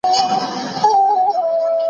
د عدلي کمیسیون کارونه څه دي؟